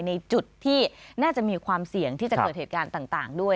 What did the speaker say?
ในจุดที่น่าจะมีความเสี่ยงที่จะเกิดเหตุการณ์ต่างด้วย